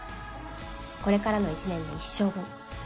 これからの１年で一生分。